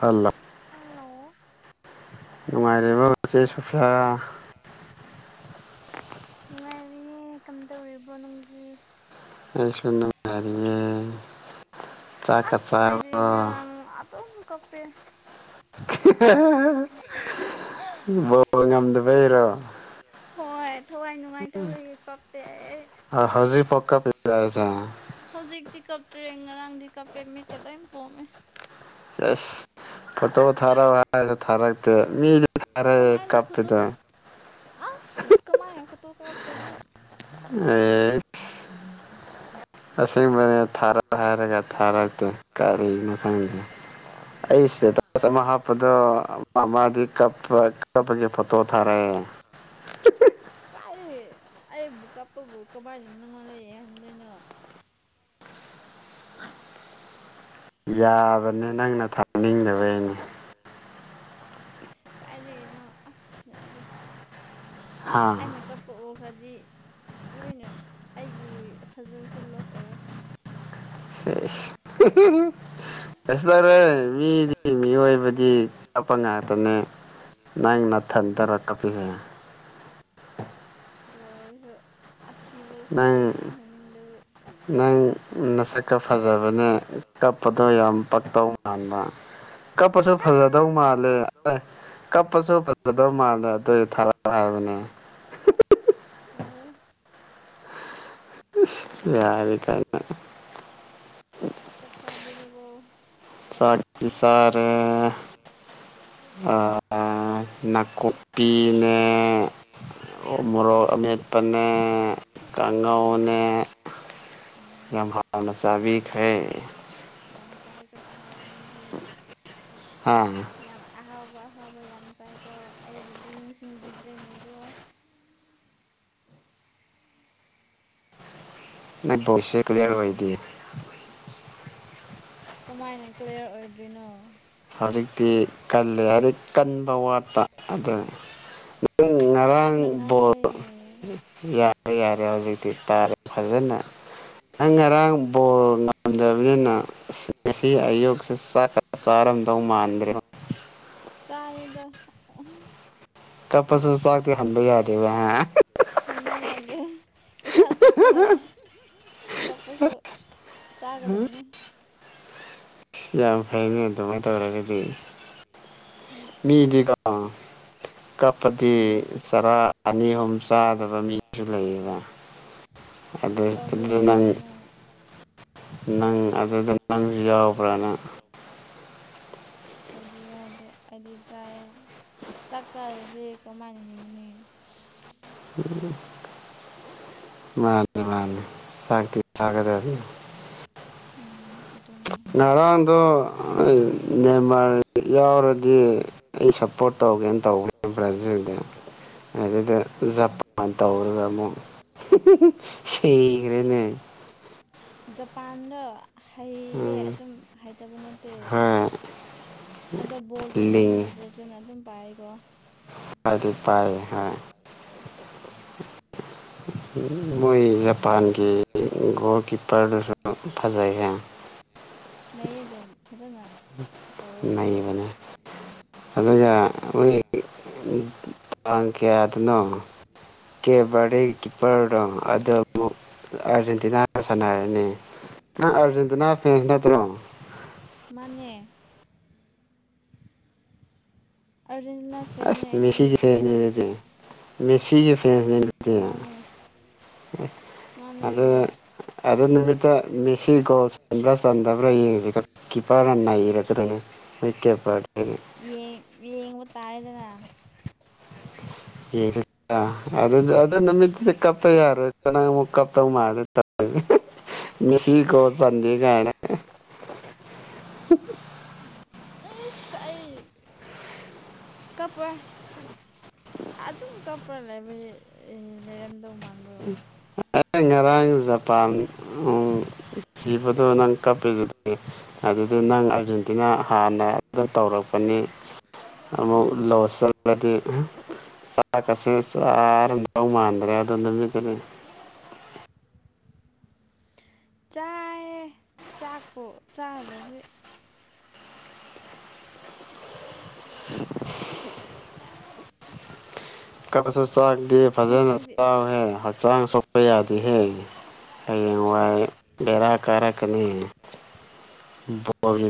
hello hello ꯅꯨꯡꯉꯥꯏꯔꯤꯕꯣ ꯆꯦ ꯁꯨꯐꯤꯌꯥ ꯑꯦ ꯀꯝꯗꯧꯔꯤꯕꯣ ꯅꯪꯒꯤ ꯍꯥꯏꯔꯤꯌꯦ ꯑꯁ ꯑꯩꯗꯤ ꯉꯔꯥꯡ ꯑꯗꯨꯝ ꯀꯞꯄꯦ ꯕꯣꯜ ꯉꯝꯗꯕꯩꯔꯣ ꯍꯣꯏ ꯊꯋꯥꯏ ꯅꯨꯡꯉꯥꯏꯇꯕꯒꯤ ꯀꯞꯄꯦ ꯑꯩ ꯍꯧꯖꯤꯛꯐꯥꯎ ꯀꯞꯄꯤꯔꯣ ꯍꯥꯏꯁꯦ ꯍꯧꯖꯤꯛꯇꯤ ꯀꯞꯇ꯭ꯔꯦ ꯉꯔꯥꯡꯗꯤ ꯀꯞꯄꯦ ꯃꯤꯠꯇ ꯂꯣꯏ ꯀꯣꯝꯃꯦ ꯁ ꯐꯣꯇꯣ ꯊꯔꯥꯎ ꯍꯥꯏ ꯊꯔꯛꯇꯦ ꯃꯤ ꯇꯔꯦ ꯀꯃꯥꯏꯅ ꯐꯣꯇꯣ ꯀꯞꯄꯗ ꯑꯁ ꯀꯃꯥꯏꯅ ꯐꯣꯇꯣ ꯀꯞꯇꯣꯏꯅꯣ ꯑꯁꯦꯡꯕꯅꯤ ꯊꯥꯔꯛ ꯍꯥꯏꯔꯒ ꯊꯥꯔꯛꯇꯦ ꯀꯔꯤꯅꯣ ꯈꯪꯗꯦ ꯑꯩ ꯏꯁꯦ ꯇ ꯍꯥꯞꯄꯗꯨꯣ ꯃꯥꯃꯗꯤ ꯀꯞ ꯀꯄꯒꯤ ꯐꯣꯇꯣ ꯊꯥꯔꯦ ꯀꯥꯏꯗꯒꯤ ꯑꯩꯕꯨ ꯀꯥꯞꯄꯕꯨ ꯀꯃꯥꯏꯅ ꯅꯪꯉꯣꯅ ꯈꯟꯗꯣꯏꯅꯣ ꯌꯥꯕꯅꯦ ꯅꯪꯅ ꯊꯥꯅꯤꯡꯗꯕꯩꯅꯦ ꯀꯥꯏꯗꯒꯤꯅꯣ ꯑꯁ ꯌꯥꯗꯦ ꯍꯥ ꯑꯩꯅ ꯀꯄ ꯎꯕ ꯍꯥꯏꯗꯤ ꯂꯣꯏꯅ ꯑꯩꯒꯤ ꯐꯖꯕꯁꯦ ꯂꯣꯁ ꯑꯣꯏꯔꯦ [unintelligible] ꯀꯩꯁꯨ ꯇꯧꯔꯦ ꯃꯤꯗꯤ ꯃꯤꯑꯣꯏꯕꯗꯤ ꯀꯞꯄ ꯉꯥꯛꯇꯅꯦ ꯅꯪ ꯅꯥꯊꯟꯗꯔ ꯀꯞꯄꯤꯁꯦ ꯑꯗꯨ ꯑꯣꯏꯔꯁꯨ ꯑꯊꯤꯕ ꯁꯛꯇꯣ ꯅꯪ ꯌꯦꯡꯍꯟꯅꯤꯡꯗꯕ ꯅꯪ ꯅꯁꯛꯀ ꯐꯖꯕꯅꯦ ꯀꯞꯄꯗꯣ ꯌꯥꯝ ꯄꯛꯇꯧ ꯃꯥꯟꯕ ꯀꯞꯄꯁꯨ ꯐꯖꯗꯧ ꯃꯥꯜꯂꯦ ꯀꯞꯄꯁꯨ ꯐꯖꯗꯧ ꯃꯥꯜꯂꯦ ꯑꯗꯨꯏ ꯊꯔꯎ ꯍꯥꯏꯕꯅꯤ [unintelligible] ꯌꯥꯔꯣꯏꯍꯦ ꯌꯥꯔ ꯀ ꯆꯥꯛ ꯆꯥꯕꯤꯔꯕꯣ ꯁꯥꯇꯁꯔ ꯅꯥꯀꯨꯞꯄꯤꯅꯦ ꯎ ꯎꯝ ꯃꯣꯔꯣꯛ ꯑꯠꯄꯅꯦ ꯑꯥ ꯀꯒꯥꯥꯎꯅꯦ ꯑꯥ ꯌꯥꯝ ꯃꯁꯥꯕꯛ ꯍ ꯉꯁꯍꯩꯗ ꯑꯍꯥꯎꯕ ꯃꯤꯒꯤ ꯑꯥ ꯌꯥꯝ ꯑꯍꯥꯎꯕ ꯊꯕ ꯌꯥꯝ ꯆꯥꯏꯀꯣ ꯑꯩꯒꯤꯗꯤ ꯅꯤꯡꯁꯤꯡꯕꯤꯗ꯭ꯔꯦꯅꯦꯀꯣ ꯑꯣ ꯅ ꯧꯁꯦ ꯀꯗꯔ ꯋꯥꯍꯤꯗꯤ ꯀꯃꯥꯏꯅ ꯀ꯭ꯂꯤꯌꯥꯔ ꯑꯣꯏꯗ꯭ꯣꯏꯅꯣ ꯍꯧꯖꯤꯛꯇꯤ ꯀꯜꯂꯦ ꯍꯥꯏꯔꯤꯛ ꯀꯟꯕ ꯋꯥꯠꯄ ꯑꯗꯨ ꯇꯞꯅ ꯉꯔꯥꯡ ꯕꯣꯠ ꯉꯥꯡꯕꯩꯅꯦ ꯌꯥꯔꯦ ꯌꯥꯔꯦ ꯍꯧꯖꯤꯛꯇꯤ ꯇꯥꯔꯦ ꯐꯖꯅ ꯅꯪ ꯉꯔꯥꯡ ꯕꯣꯔ ꯉꯝꯗꯕꯅꯤꯅ ꯉꯁꯤ ꯑꯌꯨꯛꯁꯤ ꯆꯥꯔꯝꯗꯧ ꯃꯥꯟꯗ꯭ꯔꯦ ꯆꯥꯗ ꯆꯥꯛꯦ ꯐꯝ ꯍꯃꯦ ꯌꯥꯗ ꯑꯦꯁꯥ ꯁꯣꯛꯄ ꯌꯥꯗ ꯀꯞꯄꯁꯨ ꯆꯥꯒꯗꯕꯅꯦ ꯌꯥꯝ ꯐꯩꯅꯤ ꯑꯗꯨꯃꯥꯏꯅ ꯇꯧꯔꯒꯗꯤ ꯎꯝ ꯃꯤꯗꯤꯀꯣ ꯀꯞꯄꯗꯤ ꯆꯔꯥ ꯑꯅꯤ ꯑꯍꯨꯝ ꯆꯥꯗꯕ ꯃꯤꯁꯨ ꯂꯩꯌꯦꯅ ꯑꯗꯨ ꯇꯧꯗꯦ ꯑꯗꯨ ꯑꯩꯗꯤ ꯅꯪ ꯑꯗꯨꯃꯥꯏꯅ ꯅꯪ ꯑꯗꯨꯗ ꯅꯪꯁꯨ ꯌꯥꯎꯕ꯭ꯔꯥꯅ ꯑꯗꯨꯗꯤ ꯌꯥꯎꯗ ꯑꯗꯨ ꯆꯥꯏ ꯆꯥꯛ ꯆꯥꯔꯁꯦ ꯀꯃꯥꯏꯅ ꯍꯤꯡꯒꯅꯤ ꯎꯝ ꯃꯥꯅꯤ ꯃꯥꯅꯤ ꯁꯇ ꯁꯒꯗ ꯑꯗꯨ ꯎꯝ ꯏꯇꯃꯦ ꯉꯔꯥꯡꯗꯣ ꯅꯦꯟꯃꯔ ꯌꯥꯎꯔꯗꯤ ꯑꯩ ꯁꯞꯄꯣꯔꯠ ꯇꯧꯒꯦ ꯇꯧꯕꯅꯦ ꯄ꯭ꯔꯖꯁꯤꯡ ꯑꯗꯨꯗ ꯖꯄꯥꯟ ꯇꯧꯔꯒ ꯑꯃꯨꯛ ꯁꯤꯈꯅꯦ ꯑꯩꯉꯣꯟꯗ ꯍꯩꯌꯦ ꯑꯗꯨꯝ ꯍꯩꯇꯕ ꯅꯠꯇꯦ ꯍꯣꯏ ꯑꯗꯣ ꯕꯣꯜꯗꯤ ꯂꯤꯡ ꯑꯅꯝꯕꯅ ꯕ꯭ꯔꯣꯖꯅ ꯑꯗꯨꯝ ꯄꯥꯏꯀꯣ ꯐꯗꯤ ꯄꯥꯏ ꯍꯥꯏ ꯎꯝ ꯃꯣꯏ ꯖꯄꯥꯟꯒꯤ ꯣꯜ ꯀꯤꯄꯔꯗꯨꯁꯨ ꯐꯖꯩꯒꯦ ꯂꯩꯌꯦ ꯑꯗꯨꯝ ꯐꯖꯅ ꯇꯧꯋꯦ ꯅꯩꯅꯕꯅꯦ ꯑꯗꯨꯒ ꯃꯣꯏꯥꯡ ꯀꯌꯥꯗꯅꯣ ꯀꯦꯕꯗꯤ ꯀꯤꯞꯄꯔꯗꯣ ꯑꯗꯨꯨꯛ ꯑꯥꯔꯖꯦꯟꯇꯤꯅꯥ ꯁꯥꯟꯅꯔꯅꯤ ꯅ ꯑꯔꯖꯦꯟꯇꯤꯅꯥ ꯐ꯭ꯔꯦꯟꯁ ꯅꯠꯇ꯭ꯔꯣ ꯃꯅꯦꯦ ꯑꯥꯔꯖꯦꯟꯇꯤꯅꯥ ꯐꯦꯟꯅꯦ ꯑꯁ ꯑꯩꯗꯤ ꯃꯦꯁꯤꯒꯤ ꯃꯦꯁꯤꯒꯤ ꯃꯥꯥꯡ ꯑꯗ ꯑꯗ ꯅꯨꯃꯤꯠꯇ ꯃꯦꯁꯤ ꯀꯣꯁ ꯆꯟꯕ꯭ꯔꯥ ꯆꯟꯗꯕ꯭ꯔꯥ ꯌꯦꯡꯉꯁꯤꯒ ꯀꯤꯄꯔꯅꯅꯥ ꯏꯔꯛꯀꯗꯅꯦꯣꯏ ꯀꯦꯄꯔ ꯌꯦꯡꯕ ꯇꯥꯔꯦꯗꯅ ꯑꯗꯨ ꯑꯗꯨ ꯅꯃꯤꯗꯤ ꯀꯄ ꯌꯥꯔ ꯆ ꯀꯞ ꯃꯥ ꯃꯤꯁꯤ ꯀꯣ ꯆꯥꯟꯗ ꯀꯅ [unintelligible] ꯑꯩꯁ ꯑꯩ ꯀꯄ ꯑꯗ ꯑꯣ ꯄꯔ ꯂꯩꯥꯏꯕꯔꯤ ꯂꯩꯔꯝꯗ ꯃꯥꯡꯗ꯭ꯔ ꯉꯔꯥꯡ ꯖꯄꯥꯟ ꯖꯤꯕꯗ ꯅꯪ ꯀꯞꯄ ꯑꯗꯨ ꯑꯗꯨ ꯅꯪ ꯑꯥꯔꯖꯦꯟꯇꯤꯅꯥ ꯍꯥꯟꯅ ꯑꯗꯨ ꯇꯧꯔꯛꯄꯅꯤ ꯂꯁꯗꯤ ꯁꯥ ꯀꯁꯦ ꯁꯔꯒꯎ ꯃꯥꯟꯗꯔꯦ ꯑꯗꯨ ꯀꯔꯦ ꯆꯥ ꯆꯥꯛꯄꯣ ꯆꯥꯗꯗꯤ ꯀ ꯆ ꯐꯖ ꯆ ꯉꯁꯤꯗꯤ ꯁ꯭ꯔ ꯌꯥ ꯍ ꯑꯩ ꯦꯔꯥ ꯀꯥꯔꯛ ꯅꯤ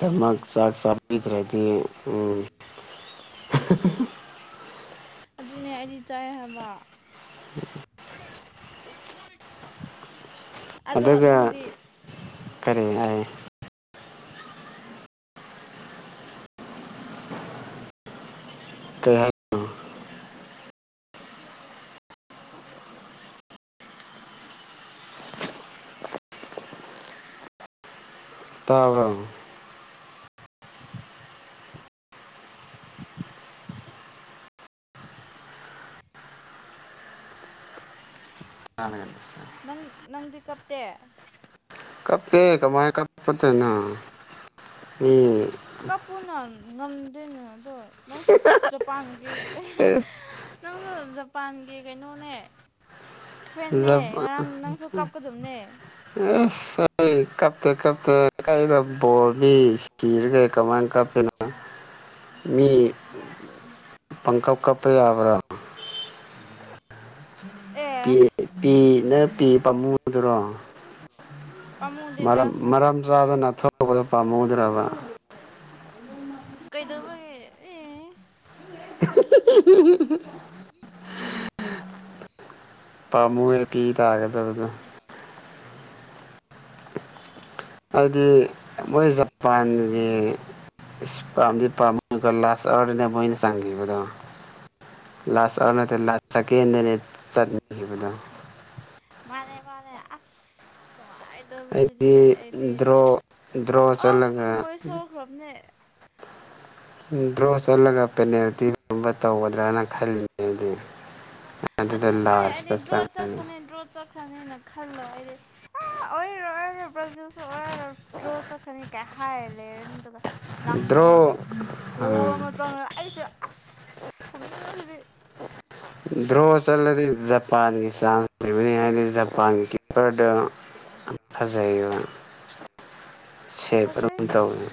ꯍꯣꯏ ꯁꯥ ꯎꯝ ꯑꯗꯨꯅꯦ ꯑꯩꯗꯤ ꯆꯥꯏ ꯍꯥꯏꯕ [unintelligible] ꯑꯗꯣ ꯑꯗꯨꯒ ꯅꯪꯗꯤ ꯀꯔꯤ ꯍꯥꯏ ꯀꯩ ꯍꯥꯏ ꯇꯥꯔꯡ ꯅꯪ ꯅꯪ ꯄꯤ ꯀꯞꯇꯦ ꯀꯞꯗꯤ ꯀꯃꯥꯏ ꯀ ꯄꯠꯇꯅ ꯎꯝ ꯉꯝꯗꯦꯅꯦ ꯑꯗꯣ ꯅꯪꯁꯨ ꯖꯄꯥꯟꯒꯤ ꯑꯦ ꯅꯪꯁꯨ ꯖꯄꯥꯟꯒꯤ ꯀꯩꯅꯣꯅꯦ ꯐꯦꯦ ꯉꯔꯥꯡ ꯅꯪꯁꯨ ꯀꯥꯞꯀꯗꯕꯅꯦ ꯍꯥꯞ ꯀꯞꯇ ꯀꯗ ꯣꯣꯔꯕꯤ ꯁꯤꯔꯒꯦ ꯀꯃꯥꯏꯥꯡ ꯀꯞꯄꯅ ꯃꯤ ꯄꯪꯀꯞ ꯀꯄꯩ ꯌꯥꯕ꯭ꯔ ꯑꯦ ꯄꯤ ꯅ ꯄꯤ ꯄꯥꯝꯃꯨꯗꯨꯔꯣ ꯄꯥꯝꯃꯨꯗꯦꯗ ꯃꯔꯔꯝ ꯆꯥꯗꯅ ꯊꯣꯛꯄꯗ ꯄꯥꯝꯃꯨꯗ꯭ꯔꯕ ꯀꯩꯗꯧꯕꯒꯦ ꯑꯦ ꯎ [unintelligible] ꯄ ꯃꯨꯔ ꯄꯤꯗꯒꯗ ꯑꯗꯨꯗ ꯍꯥꯏꯕꯗꯤ ꯃꯣꯏ ꯖꯄꯥꯟꯒꯤ ꯏꯁꯄꯝꯗꯤ ꯄꯃꯒ ꯂꯥꯁ ꯑꯅ ꯃꯣꯏꯅ ꯁꯥꯡꯈꯤꯕꯗꯣ ꯂꯥꯁ ꯑꯣꯔ ꯅꯠꯇ ꯂꯥꯁ ꯆꯀꯦ ꯅꯅꯦ ꯆꯠꯅꯤꯈꯤꯕꯗ ꯃꯥꯅꯦ ꯃꯥꯅꯦ ꯑꯁ ꯅꯨꯡꯉꯥꯏꯇꯕꯁꯤꯗꯤ ꯑꯩꯗꯤ ꯑꯩꯗꯤ ꯗ꯭ꯔꯣ ꯗ꯭ꯔꯣ ꯑꯣ ꯆꯂꯒ ꯊꯃꯣꯏ ꯁꯣꯛꯈ꯭ꯔꯕꯅꯦ ꯗ꯭ꯔꯣ ꯆꯠꯂꯒ ꯄꯦꯅꯥꯜꯇꯤꯒꯨꯝꯕ ꯇꯧꯒꯗ꯭ꯔꯅ ꯈꯜꯂꯤꯉꯗꯤ ꯑꯗꯨꯅꯦ ꯑꯩꯗꯤ ꯗ꯭ꯔꯣ ꯆꯠꯈ꯭ꯔꯅꯤ ꯗ꯭ꯔꯣ ꯆꯠꯈ꯭ꯔꯅꯦꯅ ꯈꯜꯂ ꯑꯩꯗꯤ ꯑ ꯑꯣꯏꯔꯣ ꯑꯣꯏꯔꯣ ꯕ꯭ꯔꯖꯁꯨ ꯑꯣꯏꯔꯣ ꯗ꯭ꯔꯣ ꯆꯠꯈꯅꯤ ꯀꯥꯏ ꯍꯥꯏꯔ ꯂꯩꯔꯦꯗꯨꯒ ꯂꯥꯁꯣꯔ ꯗ꯭ꯔꯣ ꯣ ꯑꯥ ꯑꯃ ꯆ ꯑꯩꯁꯦ ꯑꯁ ꯁꯥꯎꯅꯤꯡꯉꯉꯁꯤꯗꯤ ꯗ꯭ꯔꯣ ꯆꯠꯂꯗꯤ ꯖꯄꯥꯟꯒꯤ ꯆꯥꯟꯁ ꯂꯩꯕꯅꯤ ꯍꯥꯏꯗꯤ ꯖꯄꯥꯟꯒꯤ ꯀꯤꯞꯄꯔꯗ ꯊꯥꯖꯩ ꯐꯖꯩ ꯇꯧꯋꯦ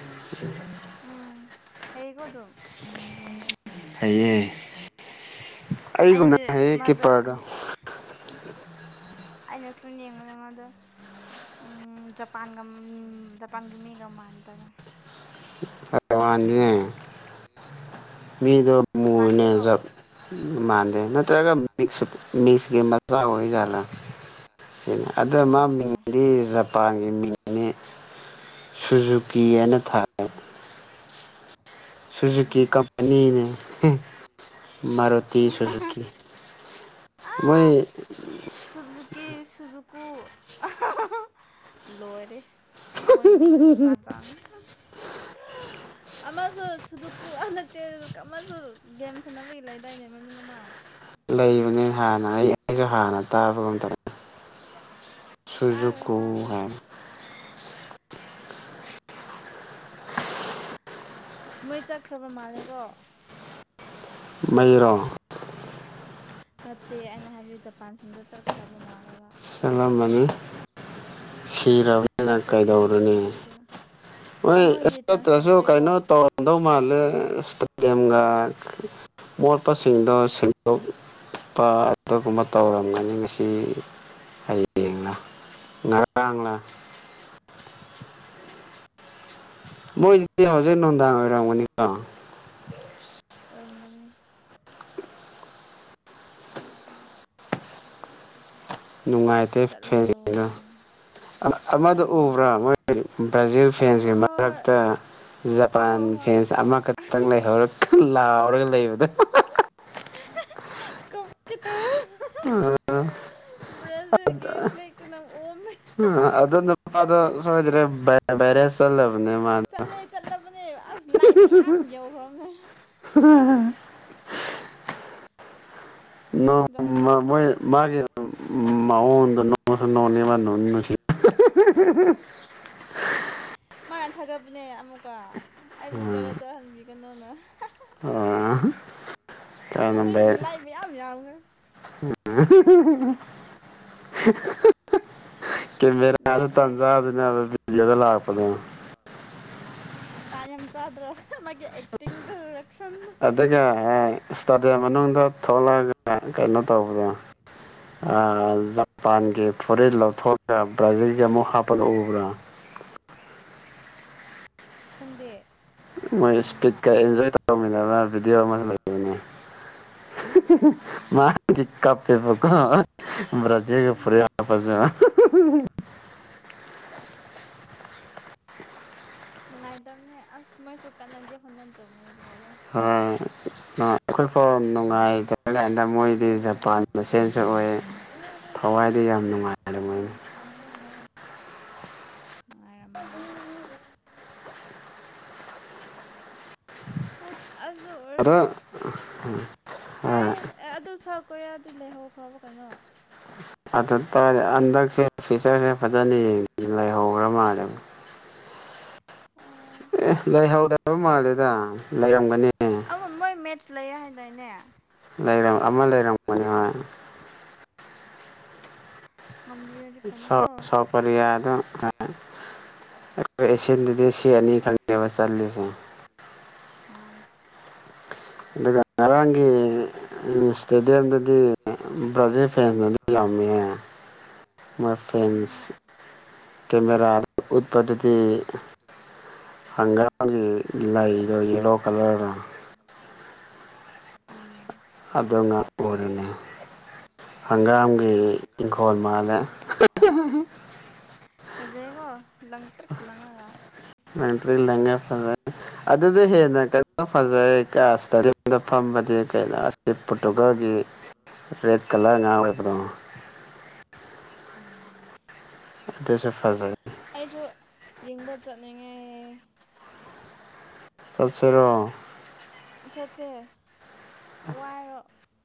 ꯎꯝ ꯍꯥꯏꯌꯦꯀꯣ ꯑꯗꯨꯝ ꯍꯑ ꯑꯩꯒꯨꯝꯅ ꯑꯩꯗꯤ ꯍꯩꯌꯦ ꯃꯥꯗꯣ ꯀꯤꯄꯔꯗꯣ ꯑꯩꯅ ꯁꯨꯝ ꯌꯦꯡꯕꯗ ꯃꯥꯗ ꯖꯄꯥꯟꯒ ꯖꯄꯥꯟꯒ ꯃꯤꯒ ꯃꯥꯟꯅꯗꯕꯅꯤ ꯐꯅꯤ ꯃꯤꯗꯣ ꯃꯥꯟꯗꯦꯀꯣ ꯃꯣꯏꯅꯞ ꯃꯥꯟꯅ ꯅꯠꯇ꯭ꯔꯒ ꯃꯁ ꯃꯤꯁꯦ ꯃꯥ ꯑꯣꯏꯣꯏꯂ ꯁꯤꯅꯦ ꯑꯗꯨꯗ ꯃꯥ ꯑꯣꯏꯔꯝꯕꯁꯨ ꯌꯥꯏ ꯃꯤꯡꯗꯤ ꯖꯄꯥꯟꯒꯤ ꯃꯤꯡꯅꯤ ꯁꯨꯖꯨꯀꯤꯑꯅ ꯊꯥ ꯁꯨꯖꯨꯀꯤ ꯑꯗꯨꯅꯦ ꯀꯝꯄꯅꯤꯅꯦ ꯃꯔꯔꯨꯇꯤ ꯁꯨꯖꯨꯀꯤ ꯑ ꯃꯣꯏ ꯁꯨꯖꯨꯀꯤ ꯁꯨꯖꯨꯀꯨ ꯂꯣꯏꯔꯤꯦ ꯃꯣꯏ ꯃꯤꯡꯁꯨ ꯆꯥ ꯆ ꯀꯨ ꯍꯜꯂꯛꯇꯦꯨ ꯒꯦꯝ ꯁꯥꯟꯅꯕꯒꯤ ꯂꯩꯗꯥꯏꯅꯦ ꯃꯃꯤꯡ ꯑꯃ ꯂꯩꯕꯅꯦ ꯍꯥꯟꯅ ꯑꯩ ꯑꯩꯒ ꯍꯥꯟꯅ ꯇꯥꯕꯒ ꯇ ꯁꯨꯔꯖꯨ ꯇꯥꯈ꯭ꯔꯦ ꯇꯥꯈ꯭ꯔꯦ ꯀꯍ ꯑꯁ ꯃꯣꯏ ꯆꯠꯈ꯭ꯔꯕ ꯃꯥꯜꯂꯦꯀꯣ ꯃꯩꯔꯣꯡ ꯅꯠꯇꯦ ꯑꯩꯅ ꯍꯥꯏꯕꯗꯤ ꯖꯄꯥꯟꯁꯤꯡꯗꯣ ꯆꯠꯈ꯭ꯔꯕ ꯃꯥꯜꯂꯦꯕ ꯁꯂꯥꯝꯅꯤ ꯁꯤꯔꯕꯅꯤꯅ ꯆꯠꯄꯒꯤ ꯀꯩꯗꯧꯔꯨꯅꯤ ꯚꯤꯗꯤꯑꯣ ꯑꯣ ꯍꯣꯏ ꯃꯣꯏꯒꯤ ꯆꯥꯟꯁ ꯆꯠꯇ꯭ꯔꯁꯨ ꯂꯩꯇ꯭ꯔꯦꯀꯣ ꯀꯩꯅꯣ ꯇꯧꯔꯝꯗꯧ ꯃꯥꯜꯂꯦ ꯏꯁꯇꯦꯗꯤꯝꯒ ꯃꯣꯔ ꯄꯁꯤꯡꯁꯤꯡꯗ ꯁꯤꯗꯣꯛ ꯆꯠꯄ ꯑꯗꯨꯒꯨꯝꯕ ꯇꯧꯔꯝꯒꯅꯤ ꯉꯁꯤ ꯍꯌꯦꯡꯅ ꯉ ꯀꯥꯡꯥꯡꯥ ꯃꯣꯏꯁꯤꯗꯤ ꯍꯧꯖꯤꯛ ꯅꯨꯡꯗꯥꯡ ꯑꯣꯏꯔꯝꯒꯅꯤꯀꯣ ꯑꯣꯏꯔꯝꯒꯅꯤ ꯅꯨꯡꯉꯥꯏꯇꯦ ꯆꯠꯂꯝꯗꯧ ꯐꯦꯟꯅ ꯃꯥꯜ ꯑꯃꯗ ꯍꯣꯏ ꯎꯕ꯭ꯔꯥ ꯅꯨꯡꯉꯥꯏꯇꯦ ꯃꯣꯏ ꯕ꯭ꯔꯥꯖꯤꯜ ꯐꯦꯟꯁꯀꯤ ꯍꯣꯏ ꯃꯔꯛꯇ ꯖꯄꯥꯟ ꯍꯣꯏ ꯍꯣꯏ ꯐ꯭ꯔꯦꯟꯁ ꯑꯃꯈꯛꯇꯪ ꯂꯩꯍꯧꯔ ꯂꯥꯎꯔꯒ ꯂꯩꯕꯗꯣ ꯀꯀꯤ ꯇꯨ ꯑ ꯕ꯭ꯔꯥꯖꯤꯜꯒꯤ ꯑꯗ ꯐ꯭ꯂꯦꯛꯇꯨ ꯅꯪ ꯑꯣꯝꯃꯦ ꯑꯗꯨ ꯁꯣꯖꯔꯦꯔꯦꯁ ꯂꯕꯅꯦ ꯃꯥꯗ ꯆꯠꯂꯦ ꯆꯠꯂꯕꯅꯦ ꯍ ꯎꯝ ꯎ ꯖꯥꯠ ꯖꯥꯠꯅꯤ ꯣꯏ ꯃꯥꯒꯤ ꯅꯣꯡꯁꯨ ꯅꯣꯡꯅꯤ ꯃꯁꯤ [unintelligible] ꯃꯥꯥꯟꯅ ꯊꯥꯒꯠꯄꯅꯦ ꯑꯃꯨꯛꯀ ꯑꯩꯕꯨ ꯦꯔ ꯆꯠꯍꯟꯕꯤꯒꯅꯨꯅ ꯑꯣ ꯑꯗꯨꯗ ꯍꯦꯟꯅ ꯂꯥꯏ ꯃꯌꯥꯝ ꯌꯥꯎꯉꯦ ꯀꯦꯃꯦꯔꯥꯁꯨ ꯅꯨꯡꯉꯥꯏꯇꯦ ꯇꯥꯟꯖꯥꯗꯅꯦ ꯗ ꯂꯥꯛꯄꯗ ꯇꯥꯝ ꯆꯗ꯭ꯔ ꯃꯥ ꯑꯦꯛꯇꯤꯡ ꯔ ꯑꯗꯨꯒ ꯏꯁꯇꯥꯗꯤꯌꯝ ꯃꯅꯨꯡꯗ ꯊꯣꯛꯂꯛꯑꯒ ꯀꯩꯅꯣ ꯇꯧꯕꯗꯣ ꯖꯄꯥꯟꯒꯤ ꯐꯨꯔꯤꯠ ꯂꯧꯊꯣꯛꯂꯒ ꯕ꯭ꯔꯥꯖꯤꯜꯒꯤ ꯑꯃꯨꯛ ꯍꯥꯞꯄꯜ ꯎꯕ꯭ꯔꯥ [unintelligible] ꯈꯪꯗꯦ ꯃꯣꯏ ꯀꯔꯝꯕꯅꯣ ꯏꯁꯄꯤꯠꯀ ꯑꯦꯟꯖꯣꯏ ꯇꯧꯔꯝꯃꯤꯟꯅꯅ ꯚꯤꯗꯤꯑꯣ ꯑꯃ ꯂꯩꯕꯅꯤ ꯃꯥ ꯀꯞꯦ ꯃꯔꯖꯦ ꯐꯔꯦꯁꯨ ꯅꯅꯨꯡꯉꯥꯏ ꯇꯥ ꯑꯁ ꯃꯣꯏ ꯆꯧ ꯀꯥꯟꯅꯗꯤ ꯍꯟꯥꯟ ꯆ ꯎꯝꯣꯏ ꯣ ꯅꯨꯡꯉꯥꯏꯇꯦ ꯀꯥꯟꯗ ꯃꯣꯏꯗꯤ ꯖꯄꯥꯟ ꯃꯁꯦꯜꯁꯨ ꯑꯣꯏ ꯊꯋꯥꯏꯗ ꯌꯥꯝ ꯅꯨꯡꯉꯥꯏꯔ ꯃꯣꯏꯅꯤ ꯅꯨꯡꯉꯥꯏꯔ ꯃꯂꯣ ꯍ ꯑꯗꯨ ꯑꯗꯣ ꯑꯣꯏꯔꯁꯨ ꯐꯔꯦ ꯑꯗꯨ ꯀꯔꯤꯌꯥꯗꯤ ꯂꯩꯍꯧꯈ꯭ꯔꯕ ꯀꯩꯅꯣ ꯑꯗꯨꯇꯥꯔꯗꯤ ꯍꯟꯗꯛꯁꯦ ꯐꯤꯆꯔꯁꯦ ꯐꯖꯅ ꯌꯦ ꯂꯩꯍꯧꯈ꯭ꯔ ꯃꯥꯜꯂꯦ ꯑꯦ ꯂꯩꯍꯧꯗꯕ ꯃꯥꯜꯂꯦꯗ ꯂꯩꯔꯝꯒꯅꯤ ꯂꯩꯌꯦꯦ ꯍꯥꯏꯅꯏꯅꯦ ꯂꯩ ꯑꯃ ꯂꯩꯔꯝꯕꯅꯤ ꯍꯣꯏ ꯉꯝꯕꯤꯔꯗꯤ ꯁ ꯐꯅꯤꯀꯣ ꯁꯄꯔꯤꯌꯥ ꯑꯗꯨ ꯑꯦꯁꯤ ꯗꯦꯁꯤ ꯑꯅꯤ ꯈꯪꯉꯅꯕ ꯆꯜꯂꯤꯁꯦ ꯃꯥꯅꯦ ꯑꯗꯨꯒ ꯉꯔꯥꯡꯒꯤ ꯏꯁꯇꯦꯗꯤꯌꯝꯗ ꯕ꯭ꯔꯖꯦ ꯐꯦ ꯌꯥꯝꯃꯤꯃꯦ ꯃ ꯌꯥꯝꯃꯦ ꯐꯦꯟꯁ ꯍꯣꯏ ꯀꯦꯃꯦꯔꯥ ꯎꯠꯄꯊꯗꯤ ꯍꯥꯡ ꯏꯂ ꯏꯗꯣ ꯌꯦꯂꯣ ꯀꯂꯔ ꯎꯝ ꯑꯗꯅ ꯁꯅ ꯍꯪꯒꯥꯝꯒꯤ ꯍꯣꯏ ꯏꯪꯈꯣꯜ ꯃꯥꯜꯂꯦ ꯐꯖꯩꯀꯣ ꯂꯪ ꯇ꯭ꯔꯛ ꯂꯪꯉꯒ ꯃꯟꯇꯔꯤꯦꯜ ꯂꯒꯥ ꯐ ꯑꯗꯨꯗ ꯍꯦꯟꯅ ꯀꯣ ꯐꯖꯩ ꯀꯥꯁꯇ ꯐꯝꯕꯗꯤ ꯀꯩꯅꯣ ꯐꯣꯇꯨꯀꯒꯤ ꯔꯦꯠ ꯀꯂꯔ ꯉꯥ ꯑꯣꯏꯕꯗꯣ [inaudible] ꯎꯝ ꯗꯁꯦ ꯐꯖꯜ ꯑꯩꯁꯨ ꯌꯦꯡꯕ ꯆꯠꯅꯤꯡꯉꯦ ꯇꯁꯔꯣ ꯆꯠꯁꯦ ꯋꯥꯏꯔꯣ